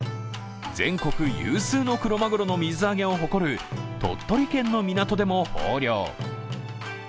全国有数のクロマグロの水揚げを誇る鳥取県の港でも豊漁。